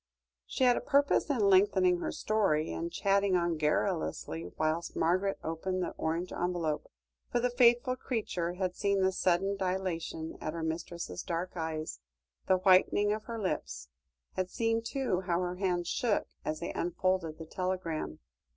She had a purpose in lengthening her story, and chatting on garrulously whilst Margaret opened the orange envelope, for the faithful creature had seen the sudden dilation of her mistress's dark eyes, the whitening of her lips; had seen, too, how her hands shook as they unfolded the telegram.